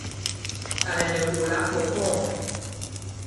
Sal ɛ nɛ ɛkoo lɛ́ akpɔɔ kpɔɔ.